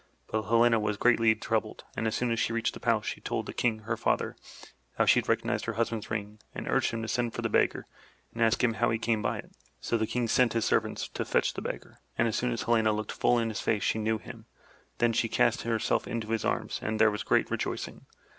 But Helena was greatly troubled, and as soon as she reached the palace, she told the King, her father, how she had recognized her husband's ring and urged him to send for the beggar and ask him how he came by it. So the King sent his servants to fetch the beggar, and as soon as Helena looked full in his face she knew him. Then she cast herself into his arms and there was great rejoicing.